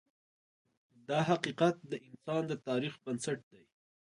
دا حقیقت د انسان د تاریخ بنسټ دی.